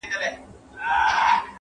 o لويي له خداى سره ښايي٫